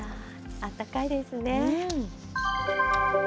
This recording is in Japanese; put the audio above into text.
あったかいですね。